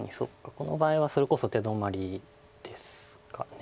この場合はそれこそ手止まりですかね。